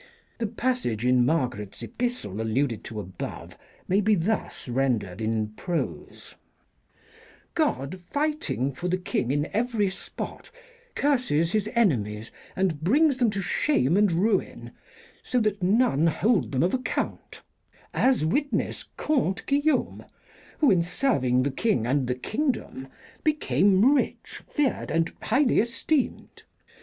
The passage in Margaret's epistle alluded to above may be thus rendered in prose :" God, fighting for the King in every spot, curses his enemies and brings them to shame and ruin, so that none hold them of account ; as witness ' Conipte [" Conte " in the MS.] Guillaume,' who, in serving the King and the kingdom, became rich, feared and highly esteemed.